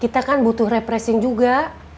kita kan butuh represi juga